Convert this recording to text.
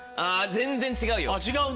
全然違う。